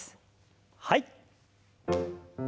はい。